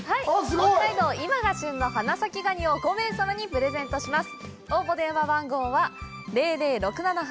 北海道、今が旬の花咲ガニを５名様にプレゼントします。